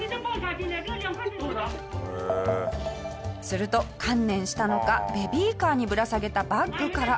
すると観念したのかベビーカーにぶら下げたバッグから。